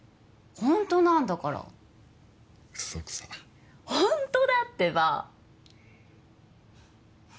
ホントなんだから嘘くさっホントだってば！